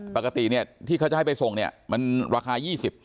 ปกติที่เขาจะให้ไปส่งมันราคา๒๐